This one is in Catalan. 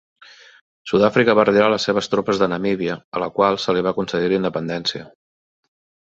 Sud Àfrica va retirar les seves tropes de Namíbia, a la qual se li va concedir la independència.